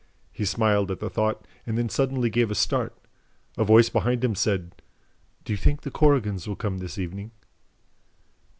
He smiled at the thought and then suddenly gave a start. A voice behind him said: "Do you think the Korrigans will come this evening?"